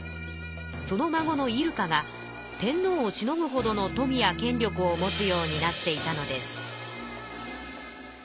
その孫の入鹿が天皇をしのぐほどの富や権力を持つようになっていたのです。